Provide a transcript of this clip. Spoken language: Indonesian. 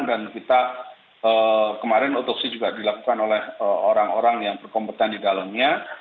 dan kita kemarin otopsi juga dilakukan oleh orang orang yang berkompetensi di dalamnya